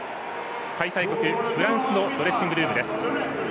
開催国フランスのドレッシングルームです。